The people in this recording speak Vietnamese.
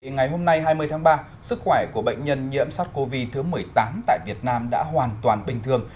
ngày hôm nay hai mươi tháng ba sức khỏe của bệnh nhân nhiễm sars cov một mươi tám tại việt nam đã hoàn toàn bình thường